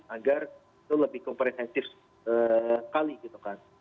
agar itu lebih komprensif kali gitu kan